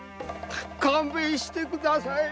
勘弁して下さい。